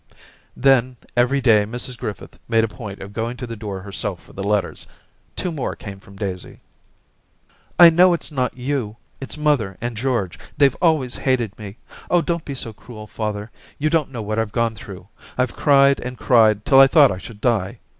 Then every day Mrs Griffith made a point of going to the door herself for the letters. Two more came from Daisy. */ know it's not you; it's mother and George. They've always hated me. Oh, don't be so cruel, father ! You don't know what I've gone through. I've cried and cried till I thought I should die.